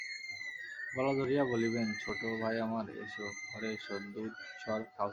গলা ধরিয়া বলিবেন–ছোটো ভাই আমার, এস ঘরে এস, দুধ-সর খাওসে।